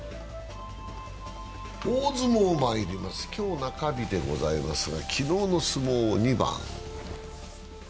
大相撲まいります、今日、中日でございますが、昨日の相撲を二番。